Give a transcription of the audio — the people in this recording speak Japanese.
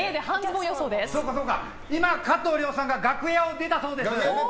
今、加藤諒さんが楽屋を出たそうです。